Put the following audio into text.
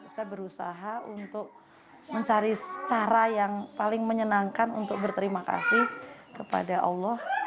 saya berusaha untuk mencari cara yang paling menyenangkan untuk berterima kasih kepada allah